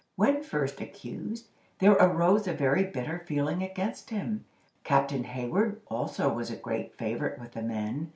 When first accused, there arose a very bitter feeling against him. Captain Hayward also was a great favorite with the men.